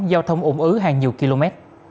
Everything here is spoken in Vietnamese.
giao thông ủng ứ hàng nhiều km